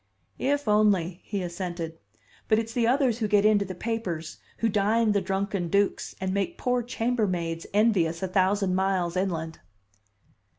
"If only!" he assented. "But it's the others who get into the papers, who dine the drunken dukes, and make poor chambermaids envious a thousand miles inland!"